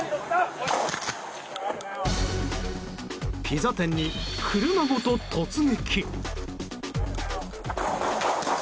ピザ店に車ごと突撃！